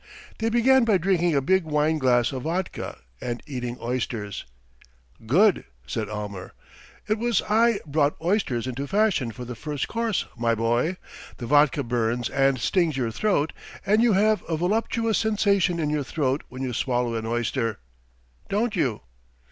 They began by drinking a big wine glass of vodka and eating oysters. "Good!" said Almer. "It was I brought oysters into fashion for the first course, my boy. The vodka burns and stings your throat and you have a voluptuous sensation in your throat when you swallow an oyster. Don't you?"